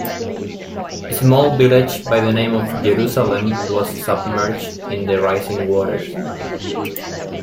A small village by the name of Jerusalem was submerged in the rising waters.